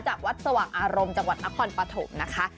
วัดสว่างอารมณ์จังหวัดนครปฐมนะคะ